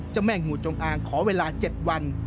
เจ้าแม่งูจงอางขอเวลา๗วัน